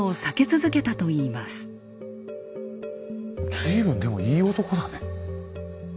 随分でもいい男だね。